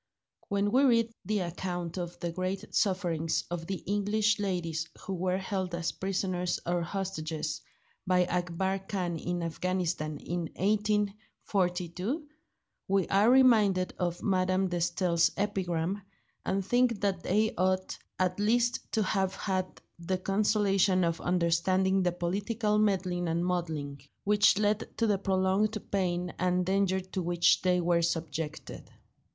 When we read the account of the great sufferings of the English ladies who were held as prisoners or hostages by Akbar Khan in Afghanistan in 1842, we are reminded of Madame de Staël's epigram, and think that they ought at least to have had the consolation of understanding the political meddling and muddling, which led to the prolonged pain and danger to which they were subjected.